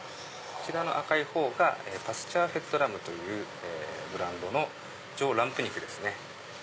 赤い方がパスチャーフェッドラムというブランドの上ランプ肉ですね。